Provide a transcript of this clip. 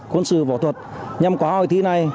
quân sự võ thuật nhằm qua hội thi này